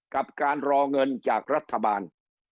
กับการรอเงินจากรัฐบาล